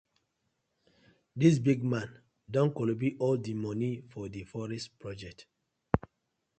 Dis big man don kolobi all di moni for di forest project.